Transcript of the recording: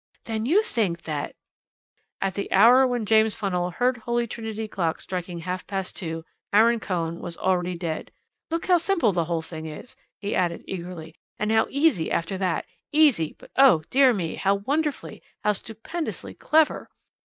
"Then you think that " "At the hour when James Funnell heard Holy Trinity clock striking half past two Aaron Cohen was already dead. Look how simple the whole thing is," he added eagerly, "and how easy after that easy, but oh, dear me! how wonderfully, how stupendously clever.